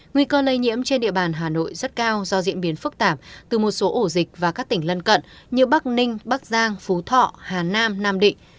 nguy cơ lây nhiễm trên địa bàn hà nội rất cao do diễn biến phức tạp từ một số ổ dịch và các tỉnh lân cận như bắc ninh bắc giang phú thọ hà nam nam định